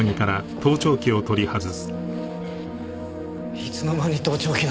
いつの間に盗聴器なんか。